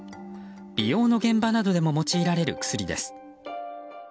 美容の現場などでも用いられる薬です。